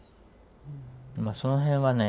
その辺はね